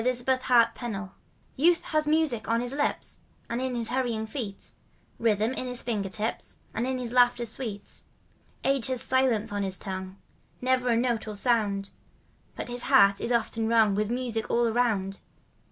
» Dorothy McFickar YOUTH AND AGE Youth has music on his h'ps And in his hurrying feet, Rhythm in his finger tips And in his laughter sweet. Age has silence on his tongue — Never a note or sound; But his heart is often wrung By music all around.